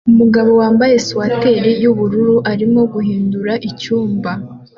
Umugabo wambaye swater yubururu arimo guhindura icyumba